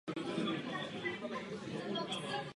Reforma se pokouší tyto problémy řešit.